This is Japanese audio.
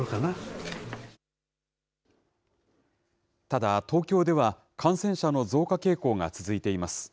ただ、東京では感染者の増加傾向が続いています。